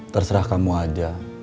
terserah kamu aja